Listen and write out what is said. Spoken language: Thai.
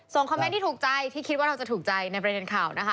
คอมเมนต์ที่ถูกใจที่คิดว่าเราจะถูกใจในประเด็นข่าวนะคะ